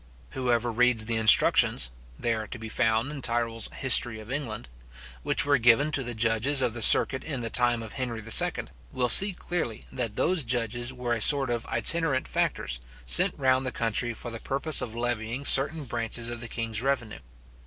Whoever reads the instructions (They are to be found in Tyrol's History of England) which were given to the judges of the circuit in the time of Henry II will see clearly that those judges were a sort of itinerant factors, sent round the country for the purpose of levying certain branches of the king's revenue.